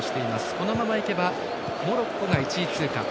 このままいけばモロッコが１位通過。